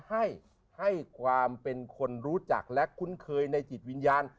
ให้ให้ความเป็นคนรู้จักและคุ้นเคยในจิตวิญญาณ